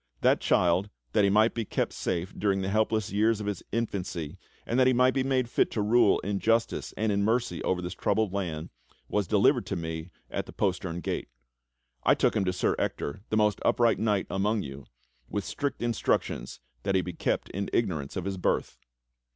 That child, that he might be kept safe during the helpless years of his infancy and that he might be made fit to rule in justice and in mercy over this troubled land, was delivered to me at the postern gate. I took him to Sir Ector, the most upright knight among you, with strict instructions tl'iat he be kept in ignorance of his birth."